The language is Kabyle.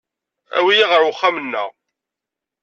Awi-iyi ɣer uxxam-nneɣ.